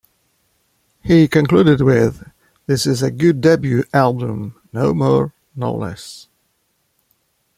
He concluded with, This is a good debut album-no more, no less.